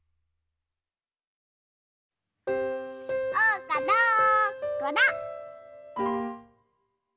・おうかどこだ？